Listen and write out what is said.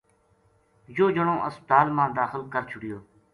یوہ جنوہسپتال ما داخل کر چھُڑیو